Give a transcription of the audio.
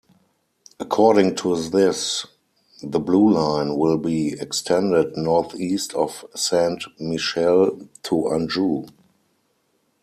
According to this, the Blue Line will be extended northeast of Saint-Michel to Anjou.